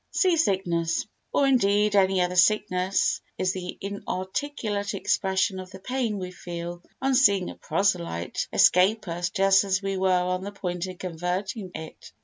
Sea Sickness Or, indeed, any other sickness is the inarticulate expression of the pain we feel on seeing a proselyte escape us just as we were on the point of converting it.